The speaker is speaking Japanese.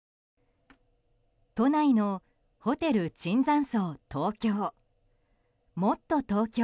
都内のホテル椿山荘東京。